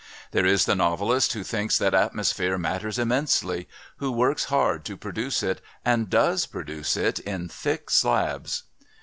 There is the novelist who thinks that atmosphere matters immensely, who works hard to produce it and does produce it in thick slabs.